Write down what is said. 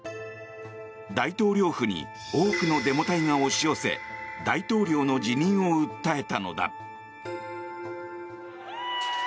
大統領府に多くのデモ隊が押し寄せ大統領の辞任を訴えたのだ。